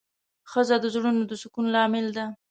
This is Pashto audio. ښځه د زړونو د سکون لامل ده.